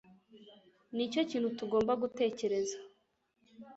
Nicyo kintu tugomba gutekereza.